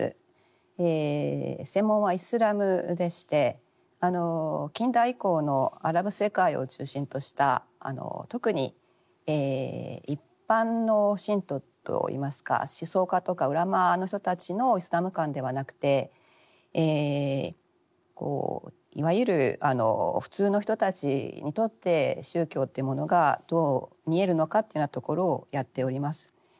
専門はイスラムでして近代以降のアラブ世界を中心とした特に一般の信徒と言いますか思想家とかウラマーの人たちのイスラム観ではなくていわゆる普通の人たちにとって宗教というものがどう見えるのかというようなところをやっております。